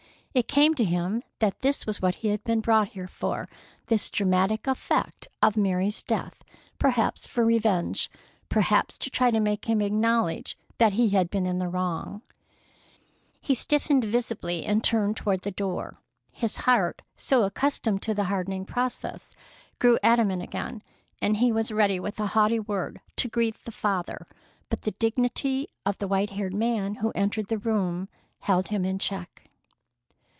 It came to him that this was what he had been brought here for, this dramatic effect of Mary's death, perhaps for revenge, perhaps to try to make him acknowledge that he had been in the wrong. He stiffened visibly and turned toward the door. His heart, so accustomed to the hardening process, grew adamant again, and he was ready with a haughty word to greet the father, but the dignity of the white haired man who entered the room held him in check.